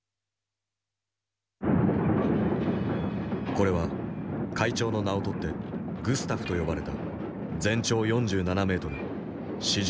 これは会長の名を取ってグスタフと呼ばれた全長４７メートル史上最大の列車砲。